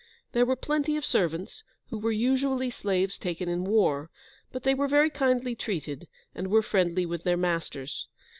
There were plenty of servants, who were usually slaves taken in war, but they were very kindly treated, and were friendly with their masters.